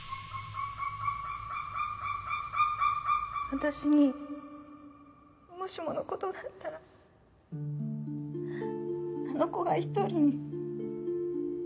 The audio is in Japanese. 私にもしもの事があったらあの子が一人に。